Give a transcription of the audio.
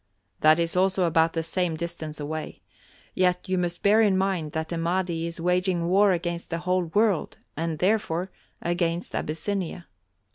"That is also about the same distance away. Yet you must bear in mind that the Mahdi is waging war against the whole world and, therefore, against Abyssinia.